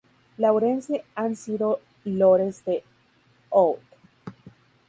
Lawrence han sido lores de Howth.